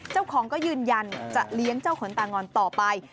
เจ้าของก็ยืนยันจะเลี้ยงเจ้าขนตางอนต่อไป